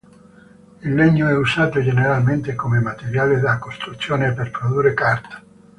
Il legno è usato generalmente come materiale da costruzione e per produrre carta.